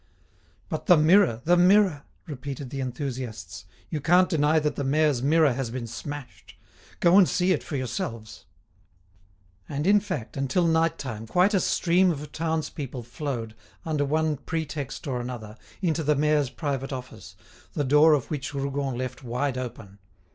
"But the mirror, the mirror!" repeated the enthusiasts. "You can't deny that the mayor's mirror has been smashed; go and see it for yourselves." And, in fact, until night time, quite a stream of town's people flowed, under one pretext or another, into the mayor's private office, the door of which Rougon left wide open.